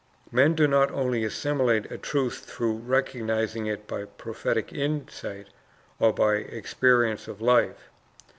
Men do not only assimilate a truth through recognizing it by prophetic insight, or by experience of life.